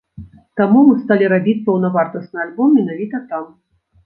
Таму мы сталі рабіць паўнавартасны альбом менавіта там.